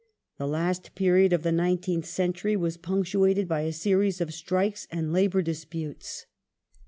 The last period of the nineteenth century was punctuated by a series of strikes and labour disputes.